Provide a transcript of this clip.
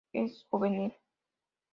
Es juvenil.